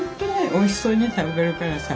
おいしそうに食べるからさ。